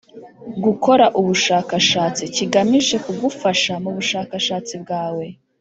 gukora ubushakashatsi kigamije kugufasha mu bushakashatsi bwawe